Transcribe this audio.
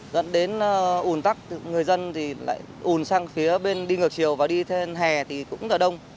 dẫn đến ủn tắc người dân thì lại ủn sang phía bên đi ngược chiều và đi theo hèn hè thì cũng là đông